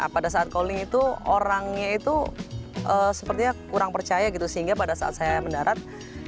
pada saat calling itu orangnya itu sepertinya kurang percaya gitu sehingga pada saat saya mendarat